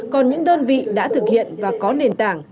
còn những đơn vị đã thực hiện và có nền tảng